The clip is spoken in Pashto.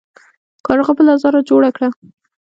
کارغه بله ځاله جوړه کړه.